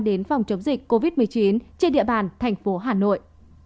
đến phòng chống dịch covid một mươi chín trên địa bàn thành phố hà nội